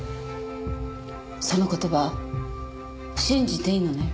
その言葉信じていいのね？